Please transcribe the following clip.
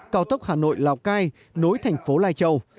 cao tốc hà nội lào cai nối thành phố lai châu